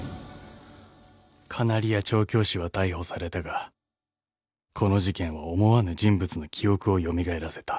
［カナリア調教師は逮捕されたがこの事件は思わぬ人物の記憶を蘇らせた］